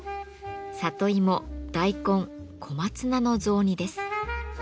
里芋大根小松菜の雑煮です。